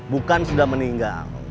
bukan sudah meninggal